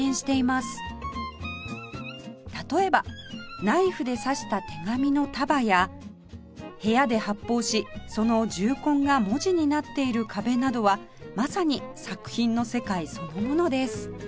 例えばナイフで刺した手紙の束や部屋で発砲しその銃痕が文字になっている壁などはまさに作品の世界そのものです